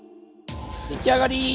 出来上がり！